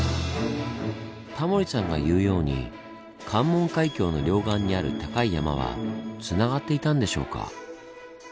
タモリさんが言うように関門海峡の両岸にある高い山はつながっていたんでしょうか。